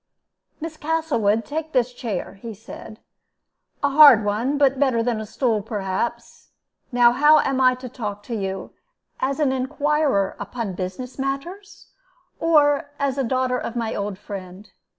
"Miss Castlewood, take this chair," he said; "a hard one, but better than a stool, perhaps. Now how am I to talk to you as an inquirer upon business matters, or as the daughter of my old friend?